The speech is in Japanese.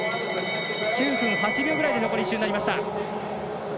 ９分８秒ぐらいであと１周になりました。